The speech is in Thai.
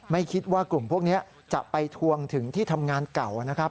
ไม่คิดว่ากลุ่มพวกนี้จะไปทวงถึงที่ทำงานเก่านะครับ